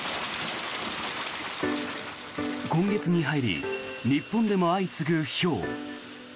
今月に入り日本でも相次ぐ、ひょう。